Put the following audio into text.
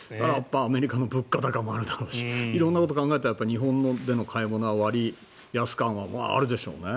アメリカの物価高もあるだろうし色んなことを考えたら日本での買い物は割安感はあるでしょうね。